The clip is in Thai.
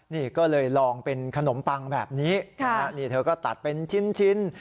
นี่ก็เลยลองเป็นขนมปังแบบนี้นี่เธอก็ตัดเป็นชิ้น